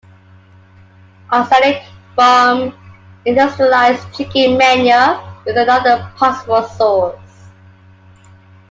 Arsenic from industrialized chicken manure is another possible source.